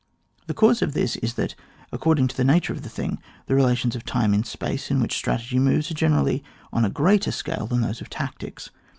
The cause of tiiis is that, according to the nature of the thing, the relations to time and space in which strategy moves are generally on a greater scale tiLan those of tactics.